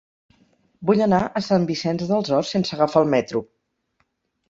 Vull anar a Sant Vicenç dels Horts sense agafar el metro.